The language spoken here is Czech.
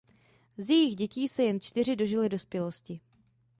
Z jejich dětí se jen čtyři dožily dospělosti.